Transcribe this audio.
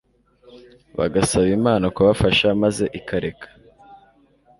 bagasaba Imana kubafasha maze ikareka